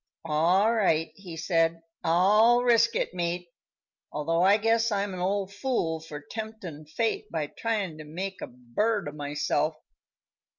"All right," he said; "I'll risk it, mate, although I guess I'm an old fool for temptin' fate by tryin' to make a bird o' myself.